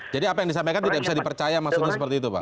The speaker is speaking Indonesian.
apa yang disampaikan tidak bisa dipercaya maksudnya seperti itu pak